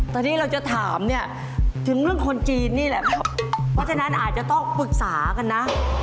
เพราะฉะนั้นอาจจะต้องปรึกษากันน่ะ